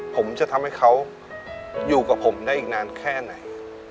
ผมจะทำให้เขาอยู่กับผมได้อีกนานแค่ไหน